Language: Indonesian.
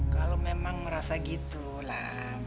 kalo memang merasa gitu lam